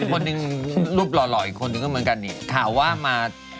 พี่ธีกรอีกคนหนึ่งรูปหล่ออีกคนหนึ่งก็เหมือนกันเนี่ยข่าวว่ามา